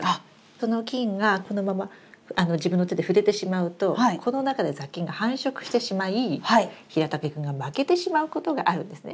その菌がこのまま自分の手で触れてしまうとこの中で雑菌が繁殖してしまいヒラタケ君が負けてしまうことがあるんですね。